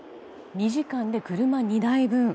２時間で車２台分と。